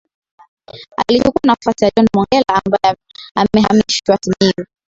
Alichukua nafasi ya John mongella ambaye amehamishiwa Simiyu